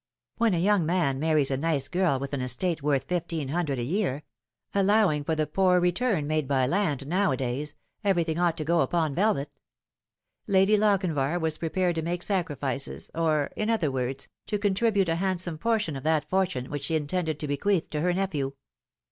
When a young man marries a nice girl with an estate worth fifteen hundred a year allowing for the poor return made by land nowadays everything ought to go upon velvet. Lady Lochinvar was prepared to make sacrifices, or, in other words, to contribute a handsome portion How should I Greet Thee f 321 of that fortune which she intended to bequeath to her nephew.